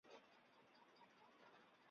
它的体型是目前圈养虎鲸中最大的。